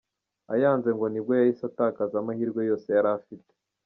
Ayanze ngo nibwo yahise atakaza amahirwe yose yari afite.